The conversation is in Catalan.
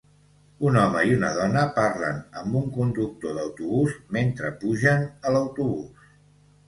Un home i una dona parlen amb un conductor d'autobús mentre pugen a l'autobús.